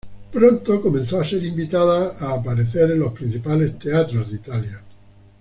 Pronto comenzó a ser invitada a aparecer en los principales teatros de Italia.